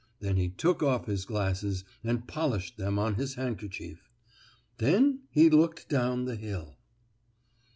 Then he took off his glasses and polished them on his handkerchief. Then he looked down the hill.